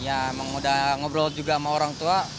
ya emang udah ngobrol juga sama orang tua